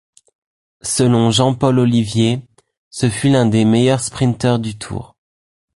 Selon Jean-Paul Ollivier, ce fut l'un des meilleurs sprinteurs du Tour.